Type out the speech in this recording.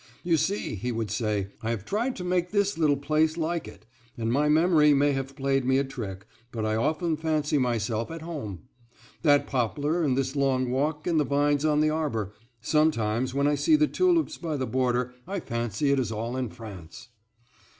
"You see," he would say, "I have tried to make this little place like it; and my memory may have played me a trick, but I often fancy myself at home. That poplar and this long walk and the vines on the arbor,—sometimes when I see the tulips by the border I fancy it is all in France."